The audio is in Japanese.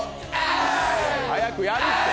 早くやれって。